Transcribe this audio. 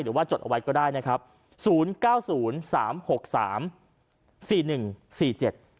จดเอาไว้ก็ได้นะครับศูนย์เก้าศูนย์สามหกสามสี่หนึ่งสี่เจ็ด